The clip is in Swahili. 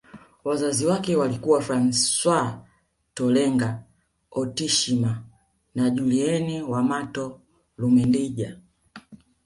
Wazazi wake walikuwa Francois Tolenga Otetshima na Julienne Wamato Lomendja